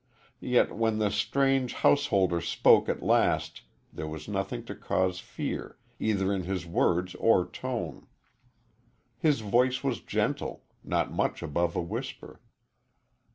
Yet when the strange householder spoke at last there was nothing to cause fear, either in his words or tone. His voice was gentle not much above a whisper.